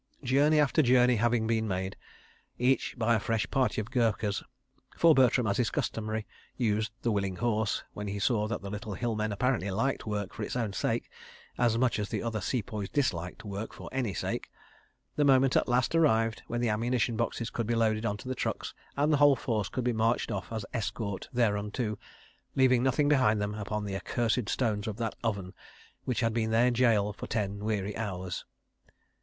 ... Journey after journey having been made, each by a fresh party of Gurkhas (for Bertram, as is customary, used the willing horse, when he saw that the little hill men apparently liked work for its own sake, as much as the other Sepoys disliked work for any sake), the moment at last arrived when the ammunition boxes could be loaded on to the trucks and the whole force could be marched off as escort thereunto, leaving nothing behind them upon the accursed stones of that oven, which had been their gaol for ten weary hours.